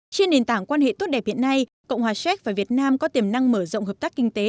trên nền tảng quan hệ tốt đẹp hiện nay cộng hòa séc và việt nam có tiềm năng mở rộng hợp tác kinh tế